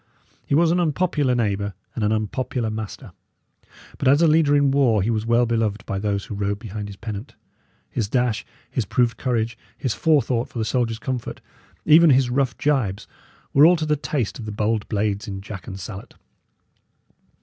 He was an unpopular neighbour and an unpopular master; but as a leader in war he was well beloved by those who rode behind his pennant. His dash, his proved courage, his forethought for the soldiers' comfort, even his rough gibes, were all to the taste of the bold blades in jack and salet.